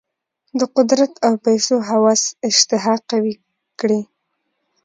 د قدرت او پیسو هوس اشتها قوي کړې.